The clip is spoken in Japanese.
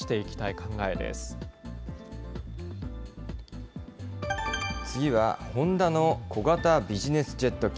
考え次は、ホンダの小型ビジネスジェット機。